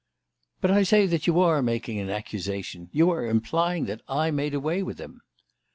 "But I say that you are making an accusation! You are implying that I made away with him."